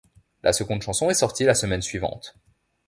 La seconde chanson est sortie la semaine suivante.